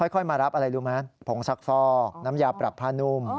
ค่อยมารับอะไรรู้ไหมผงซักฟอกน้ำยาปรับผ้านุ่ม